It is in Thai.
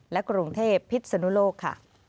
และกรุงเทพพิษนุโลกค่ะ